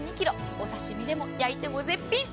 お刺身でも、焼いても絶品。